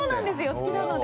好きなので。